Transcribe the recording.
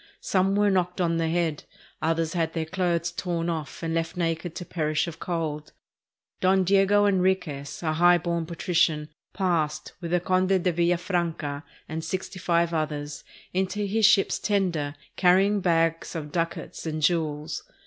Some were knocked on the head, others had their clothes torn off and were left naked to perish of cold. Don Diego Enriquez, a high born patrician, passed, with the Conde de Villafranca and sixty five others, into his ship's tender, carrying bags of ducats and jewels.